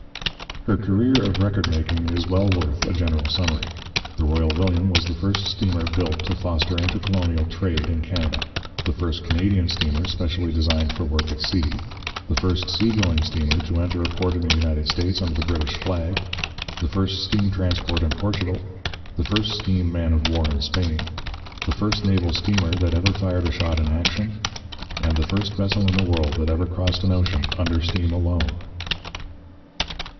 Her career of record making is well worth a general summary: the Royal William was the first steamer built to foster inter colonial trade in Canada; the first Canadian steamer specially designed for work at sea; the first sea going steamer to enter a port in the United States under the British flag; the first steam transport in Portugal; the first steam man of war in Spain; the first naval steamer that ever fired a shot in action; and the first vessel in the world that ever crossed an ocean under steam alone.